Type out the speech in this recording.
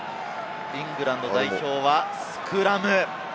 イングランド代表はスクラム。